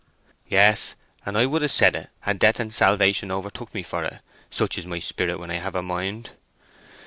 "Yes; and I would have said it, had death and salvation overtook me for it. Such is my spirit when I have a mind."